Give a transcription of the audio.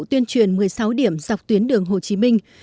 tuyên truyền một mươi sáu điểm dọc tuyến đường hồ chí minh